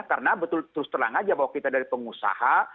karena betul terus terang aja bahwa kita dari pengusaha